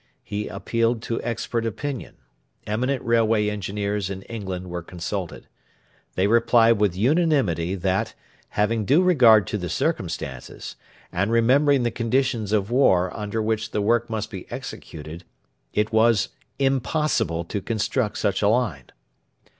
He appealed to expert opinion. Eminent railway engineers in England were consulted. They replied with unanimity that, having due regard to the circumstances, and remembering the conditions of war under which the work must be executed, it was impossible to construct such a line.